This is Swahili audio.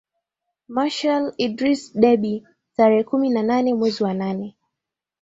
Marshal Idriss Déby tarehe kumi na nane mwezi wa nane